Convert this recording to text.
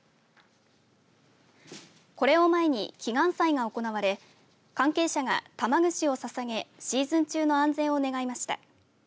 これを前に、祈願祭が行われ関係者が玉串をささげシーズン中の安全を願いました。